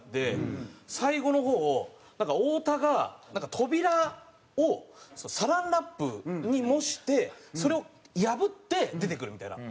最後の方なんか太田がなんか扉をサランラップに模してそれを破って出てくるみたいな。